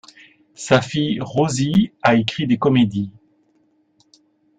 Sa fille Rosie a écrit des comédies.